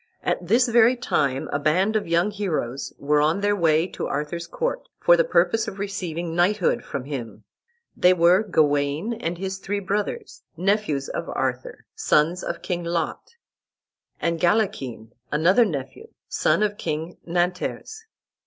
At this very time a band of young heroes were on their way to Arthur's court, for the purpose of receiving knighthood from him. They were Gawain and his three brothers, nephews of Arthur, sons of King Lot, and Galachin, another nephew, son of King Nanters.